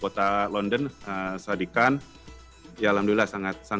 kemudian besoknya di trafalgar square itu ada sekitar dua tujuh ratus orang